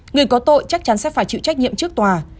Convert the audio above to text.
người có tội chắc chắn sẽ phải chịu trách nhiệm trước tòa